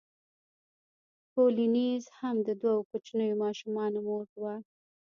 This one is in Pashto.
کولینز هم د دوو کوچنیو ماشومانو مور وه.